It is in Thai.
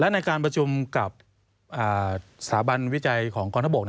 ในการประชุมกับสถาบันวิจัยของกองทัพบก